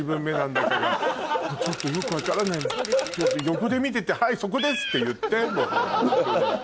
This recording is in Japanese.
横で見ててはいそこですって言ってもうホントに。